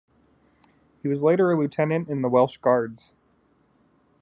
He was later a Lieutenant in the Welsh Guards.